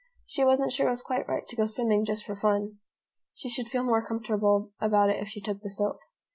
She wasn't sure it was quite right to go swimming just for fun. She should feel more comfortable about it if she took the soap.